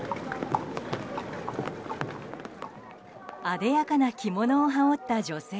あでやかな着物を羽織った女性。